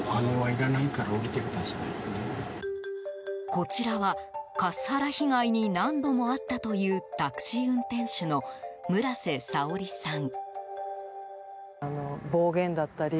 こちらは、カスハラ被害に何度も遭ったというタクシー運転手の村瀬沙織さん。